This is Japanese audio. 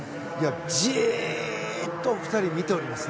じーっと２人は見ております。